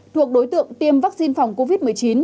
thuộc đối tượng tiêm vaccine phòng covid một mươi chín